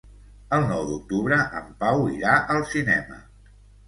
El nou d'octubre en Pau irà al cinema.